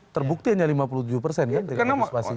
terbuktinya lima puluh tujuh persen kan dari administrasi